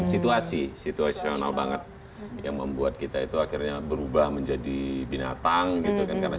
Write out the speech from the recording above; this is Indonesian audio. situasi situasional banget yang membuat kita itu akhirnya berubah menjadi binatang gitu kan karena